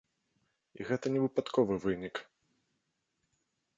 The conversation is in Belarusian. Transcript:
І гэта не выпадковы вынік.